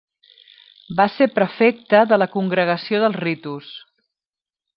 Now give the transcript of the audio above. Va ser prefecte de la Congregació dels Ritus.